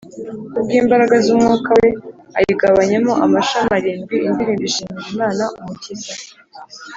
ku bw’imbaraga z’umwuka we, ayigabanyemo amashami arindwi, Indirimbo ishimira Imana, Umukiza